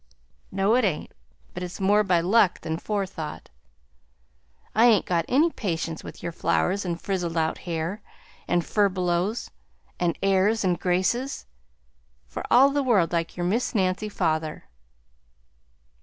No, it ain't; but it's more by luck than forethought. I ain't got any patience with your flowers and frizzled out hair and furbelows an' airs an' graces, for all the world like your Miss Nancy father."